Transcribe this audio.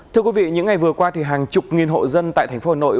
thưa quý vị những ngày vừa qua hàng chục nghìn hộ dân tại thành phố hà nội